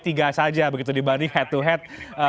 tiga saja begitu dibanding head to head